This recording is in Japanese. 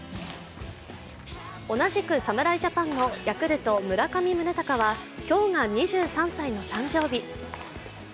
同じく侍ジャパンのヤクルト・村上宗隆は今日が２３歳の誕生日。